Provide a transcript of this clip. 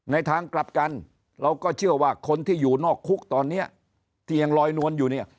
ในทางกลับกันเราก็เชื่อว่าคนที่อยู่นอกคุกตอนนี้ที่ยังลอยนวลอยู่เนี่ย